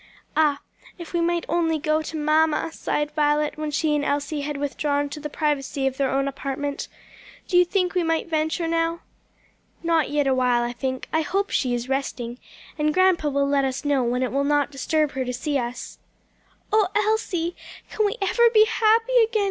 "Ah, if we might only go to mamma!" sighed Violet, when she and Elsie had withdrawn to the privacy of their own apartment. "Do you think we might venture now?" "Not yet awhile, I think I hope she is resting; and grandpa will let us know when it will not disturb her to see us." "O Elsie, can we ever be happy again?"